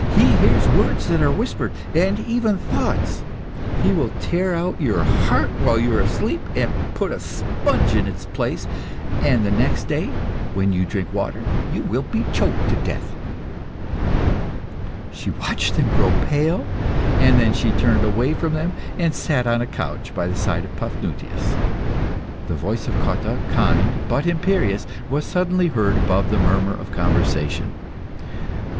He hears words that are whispered, and even thoughts. He will tear out your heart while you are asleep, and put a sponge in its place, and the next day, when you drink water, you will be choked to death." She watched them grow pale, then she turned away from them, and sat on a couch by the side of Paphnutius. The voice of Cotta, kind but imperious, was suddenly heard above the murmur of conversation.